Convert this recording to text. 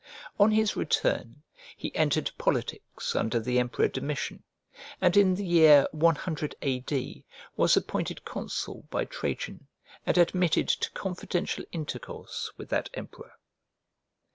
On his return he entered politics under the Emperor Domitian; and in the year 100 A. D. was appointed consul by Trajan and admitted to confidential intercourse with that emperor.